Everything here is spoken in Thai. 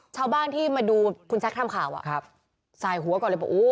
ชาวบ้านที่มาดูคุณแซคทำข่าวอ่ะครับสายหัวก่อนเลยบอกโอ้